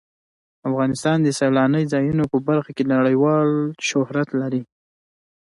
افغانستان د سیلانی ځایونه په برخه کې نړیوال شهرت لري.